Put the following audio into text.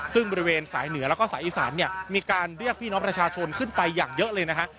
ซึ่งบริเวณสายเหนือแล้วก็สายอีสานเนี่ยมีการเรียกพี่น้องประชาชนขึ้นไปอย่างเยอะเลยนะฮะ